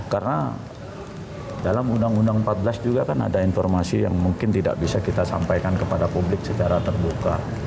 karena dalam undang undang empat belas juga kan ada informasi yang mungkin tidak bisa kita sampaikan kepada publik secara terbuka